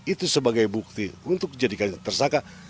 itu sebagai bukti untuk dijadikan tersangka